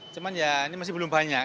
cuman ya ini masih belum banyak